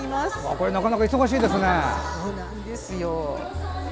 これなかなか忙しいですね。